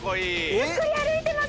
ゆっくり歩いてます。